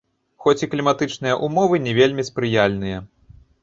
Хоць і кліматычныя ўмовы не вельмі спрыяльныя.